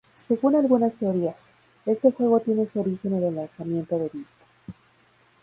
Según algunas teorías, este juego tiene su origen en el lanzamiento de disco.